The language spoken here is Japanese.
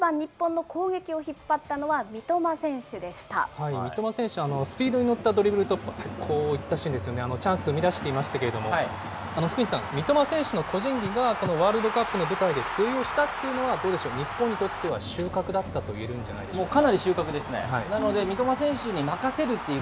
そんな中、試合終盤、日本の攻撃を引っ張ったのは、三笘選手でし三笘選手、スピードに乗ったドリブル突破、こういったシーンですよね、チャンス生み出していましたけれども、福西さん、三笘選手の個人技が、このワールドカップの舞台で通用したというのはどうでしょう、日本にとっては収穫だったといえるんじゃないでしょうか。